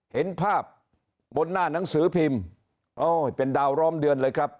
เห็นภาพบนหน้าหนังสือพิมพ์โอ้ยเป็นดาวร้อมเดือนเลยครับ